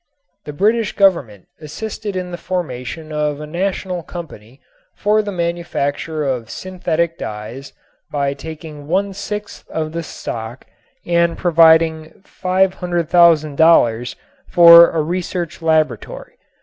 The British Government assisted in the formation of a national company for the manufacture of synthetic dyes by taking one sixth of the stock and providing $500,000 for a research laboratory.